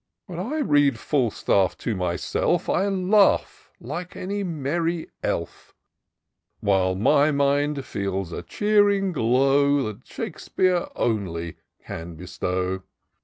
When I read Fahtaff to myself, I laugh like any merry elf; While my mind feels a cheering glow That Shakespeare only can bestow.